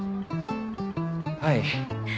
はい。